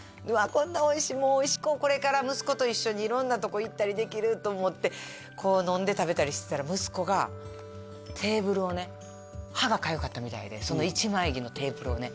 こんなおいしいもんこれから息子と一緒に色んなとこ行ったりできると思ってこう飲んで食べてたりしてたら息子がテーブルをね歯がかゆかったみたいでその一枚木のテーブルをね